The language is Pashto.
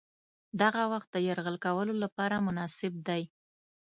دغه وخت د یرغل کولو لپاره مناسب دی.